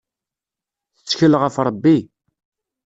Tettkel ɣef Rebbi.